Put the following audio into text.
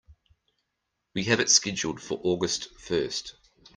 We have it scheduled for August first.